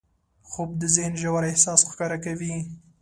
خوب د ذهن ژور احساس ښکاره کوي